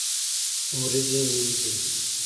وريجي مينځي